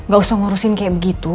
gak usah ngurusin kayak begitu